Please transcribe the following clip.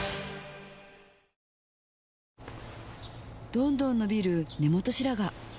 どんどん伸びる根元白髪